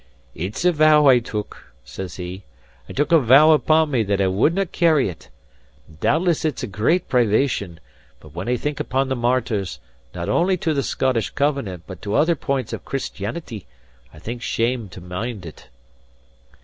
"It's a vow I took," says he. "I took a vow upon me that I wouldnae carry it. Doubtless it's a great privation; but when I think upon the martyrs, not only to the Scottish Covenant but to other points of Christianity, I think shame to mind it."